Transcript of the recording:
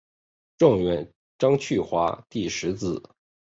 状元张去华第十子。